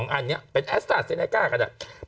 ๒อันนี้เป็นแอสตาร์เซเนคาก็ได้